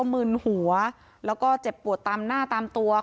มึนหัวแล้วก็เจ็บปวดตามหน้าตามตัว